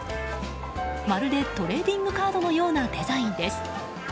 まるでトレーディングカードのようなデザインです。